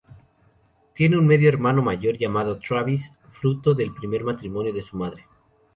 Tiene un medio hermano mayor llamado Travis, fruto del primer matrimonio de su madre.